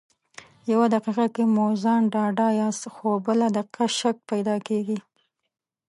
يو دقيقه کې مو په ځان ډاډه ياست خو بله دقيقه شک پیدا کېږي.